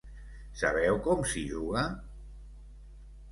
Sabeu com s'hi juga?